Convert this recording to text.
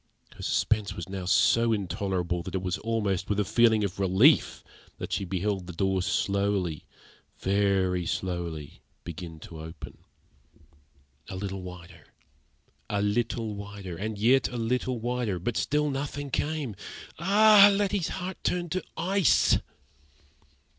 Her suspense was now so intolerable, that it was almost with a feeling of relief that she beheld the door slowly very slowly begin to open. A little wider a little wider and yet a little wider; but still nothing came. Ah! Letty's heart turned to ice.